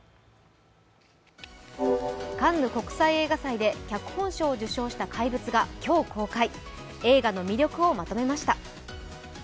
カンヌ国際映画祭で脚本賞を受賞した「怪物」が今日公開、映画の魅力をまとめました。